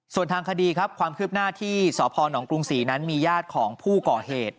ส่วนทางคดีครับความคืบหน้าที่สพนกรุงศรีนั้นมีญาติของผู้ก่อเหตุ